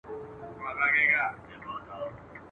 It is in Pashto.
چي پلار يې کوم يو او څوک دی